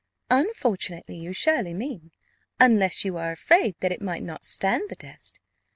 "Unfortunately, you surely mean; unless you are afraid that it might not stand the test.